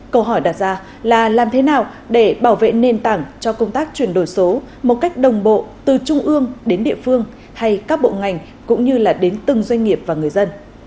câu hỏi đặt ra là làm thế nào để bảo vệ nền tảng cho công tác chuyển đổi số một cách đồng bộ từ trung ương đến địa phương hay các bộ ngành cũng như đến từng doanh nghiệp và người dân